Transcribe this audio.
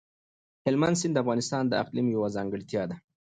هلمند سیند د افغانستان د اقلیم یوه ځانګړتیا ده.